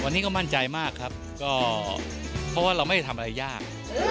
วันนี้ก็มั่นใจมากครับก็เพราะว่าเราไม่ได้ทำอะไรยาก